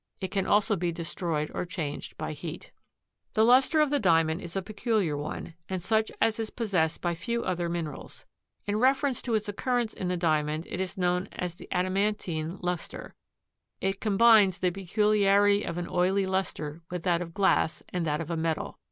It can also be destroyed or changed by heat. The luster of the Diamond is a peculiar one, and such as is possessed by few other minerals. In reference to its occurrence in the Diamond it is known as the adamantine luster. It combines the peculiarity of an oily luster with that of glass and that of a metal.